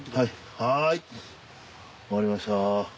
はいわかりました。